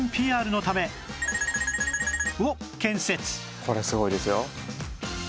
「これすごいですよ」